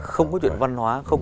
không có chuyện văn hóa